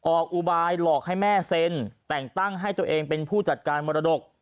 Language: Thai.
อุบายหลอกให้แม่เซ็นแต่งตั้งให้ตัวเองเป็นผู้จัดการมรดก